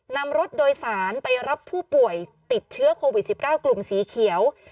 นำรถโดยสารไปรับผู้ป่วยติดเชื้อโควิด๑๙กลุ่มสีเขียว